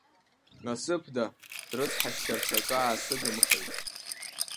Насыԥда, дрыцҳасшьарц акы аасыгымхеит.